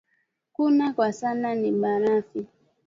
Kula kwa sana ni bulafi